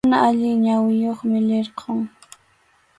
Mana allin ñawiyuqmi, lirqʼum.